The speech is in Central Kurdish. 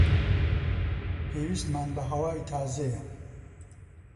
پێویستمان بە هەوای تازەیە.